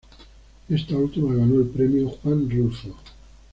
Esta última ganó el Premio Juan Rulfo.